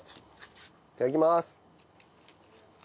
いただきます！